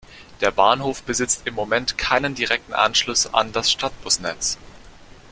Der Bahnhof besitzt im Moment keinen direkten Anschluss an das Stadtbusnetz.